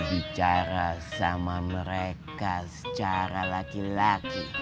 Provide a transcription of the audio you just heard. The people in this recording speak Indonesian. bicara sama mereka secara laki laki